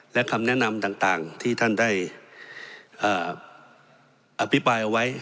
และคำแนะนำต่างที่ท่านได้อภิปรายเอาไว้